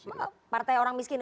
apa partai orang miskin